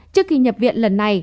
trước khi nhập viện lần này